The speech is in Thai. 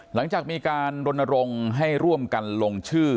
หลังจากมีการรณรงค์ให้ร่วมกันลงชื่อ